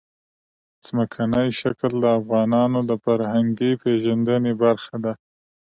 ځمکنی شکل د افغانانو د فرهنګي پیژندنې برخه ده.